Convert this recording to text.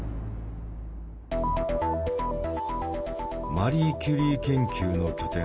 マリー・キュリー研究の拠点